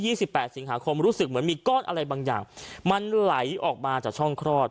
สิบแปดสิงหาคมรู้สึกเหมือนมีก้อนอะไรบางอย่างมันไหลออกมาจากช่องคลอด